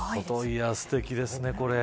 すてきですね、これ。